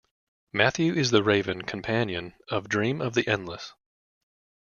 Matthew is the raven companion of Dream of the Endless.